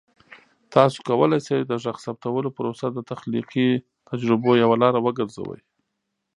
تاسو کولی شئ د غږ ثبتولو پروسه د تخلیقي تجربو یوه لاره وګرځوئ.